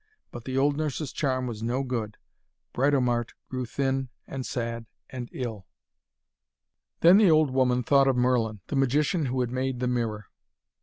But the old nurse's charm was no good. Britomart grew thin and sad and ill. Then the old woman thought of Merlin, the magician who had made the mirror.